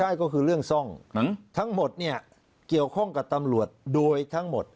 ได้ก็คือเรื่องซ่องทั้งหมดเนี่ยเกี่ยวข้องกับตำรวจโดยทั้งหมด